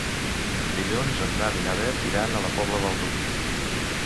Dilluns en Dan i na Bet iran a la Pobla del Duc.